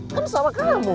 kan sama kamu